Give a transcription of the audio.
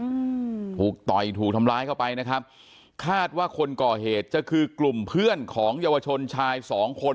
อืมถูกต่อยถูกทำร้ายเข้าไปนะครับคาดว่าคนก่อเหตุจะคือกลุ่มเพื่อนของเยาวชนชายสองคน